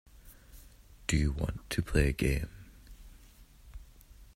Do you want to play a game.